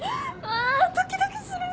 あドキドキする。